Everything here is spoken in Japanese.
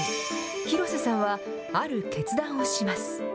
広瀬さんは、ある決断をします。